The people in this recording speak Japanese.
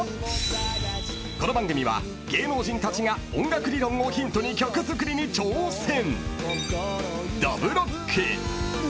［この番組は芸能人たちが音楽理論をヒントに曲作りに挑戦］